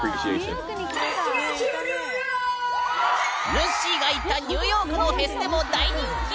ぬっしーが行ったニューヨークのフェスでも大人気！